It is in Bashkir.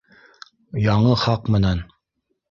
Яңы хаҡ менән